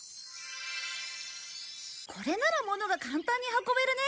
これなら物が簡単に運べるね。